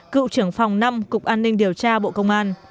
cựu trưởng phòng năm cục an ninh điều tra bộ công an